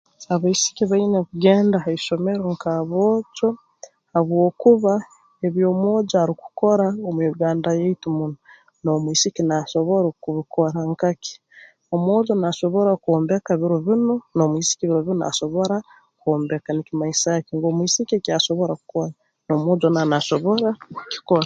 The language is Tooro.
Abaisiki baine kugenda ha isomero nk'aboojo habwokuba ebi omwojo arukukora omu Uganda yaitu muno n'omwisiki naasobora okubikora nka ki omwojo naasobora kwombeka biro binu n'omwisiki biro binu naasobora kwombeka nikimanyisa ki ngu omwisiki eki asobora kukora n'omwojo nawe naasobora kukikora